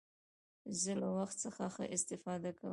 زه له وخت څخه ښه استفاده کوم.